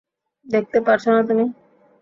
দেখতে পারছো না তুমি?